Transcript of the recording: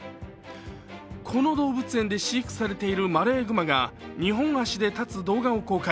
この動物園で飼育されているマレーグマが二本足で立つ動画を公開。